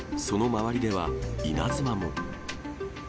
その周りでは、稲妻も。